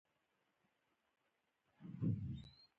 له دښمن له جاسوسانو ځانونه ګوښه کړو.